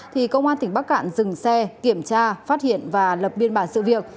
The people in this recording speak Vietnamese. thì công an tỉnh bắc cạn dừng xe kiểm tra phát hiện và lập biên bản sự việc